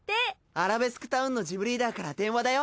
アラベスクタウンのジムリーダーから電話だよ。